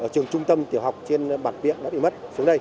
trường trung tâm tiểu học trên bàn biện đã bị mất